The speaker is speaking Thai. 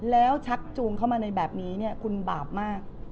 แล้วชักจูงเข้ามาในแบบนี้คุณบาปมาก